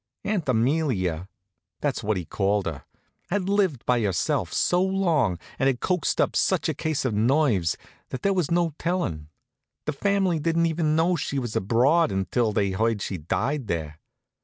Aunt Amelia that's what he called her had lived by herself for so long, and had coaxed up such a case of nerves, that there was no tellin'. The family didn't even know she was abroad until they heard she'd died there.